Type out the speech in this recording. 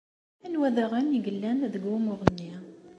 Anwa daɣen i yellan deg wumuɣ-nni?